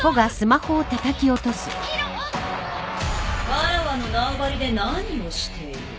わらわの縄張りで何をしている？